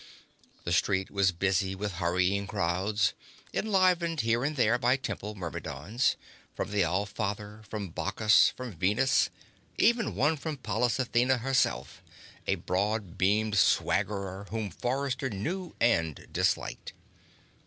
The street was busy with hurrying crowds, enlivened here and there by Temple Myrmidons from the All Father, from Bacchus, from Venus even one from Pallas Athena herself, a broad beamed swaggerer whom Forrester knew and disliked.